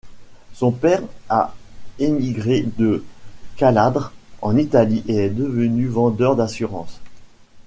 Son père a émigré de Calabre, en Italie et est devenu vendeur d'assurance.